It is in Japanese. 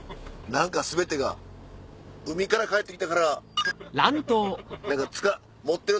何か全てが海から帰って来てから。